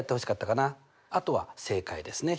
あとは正解ですね。